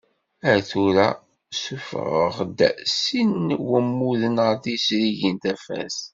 Ar tura, suffeɣeɣ-d sin n wammuden ɣer tezrigin Tafat.